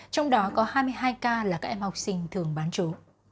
trong đó có hai mươi hai ca là các em học sinh thường bán chú